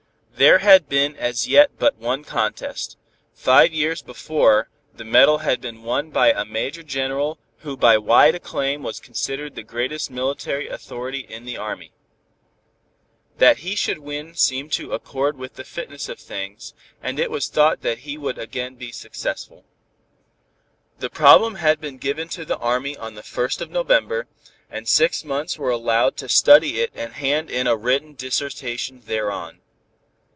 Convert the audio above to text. There had been as yet but one contest; five years before the medal had been won by a Major General who by wide acclaim was considered the greatest military authority in the Army. That he should win seemed to accord with the fitness of things, and it was thought that he would again be successful. The problem had been given to the Army on the first of November, and six months were allowed to study it and hand in a written dissertation thereon.